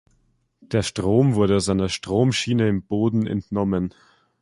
Der Strom wurde aus einer Stromschiene im Boden entnommen.